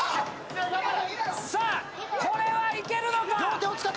さあこれはいけるのか？